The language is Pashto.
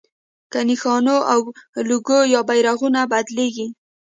که نښانونه او لوګو یا بیرغونه بدلېږي.